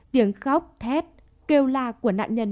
tiếng khóc thét kêu la của nạn nhân